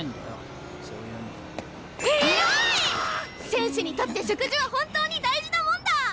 選手にとって食事は本当に大事なもんだ！